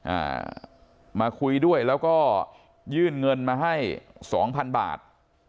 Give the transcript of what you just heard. อ่ามาคุยด้วยแล้วก็ยื่นเงินมาให้สองพันบาท